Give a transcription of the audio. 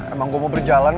emang gue mau berjalan